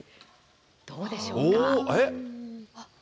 どうでしょうか。